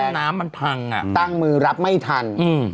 ที่กันน้ำมันพังอ่ะตั้งมือรับไม่ทันอืม